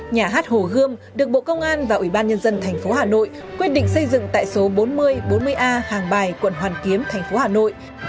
nhà hát hồ gươm được bộ công an và ủy ban nhân dân thành phố hà nội quyết định xây dựng tại số bốn nghìn bốn mươi a hàng bài quận hoàn kiếm thành phố hà nội